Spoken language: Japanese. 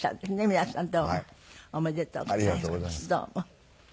皆さんどうもおめでとうございますどうも。